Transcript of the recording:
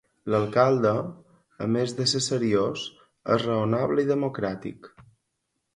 L'alcalde, a més de ser seriós és raonable i democràtic.